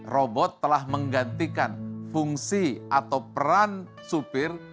robot telah menggantikan fungsi atau peran supir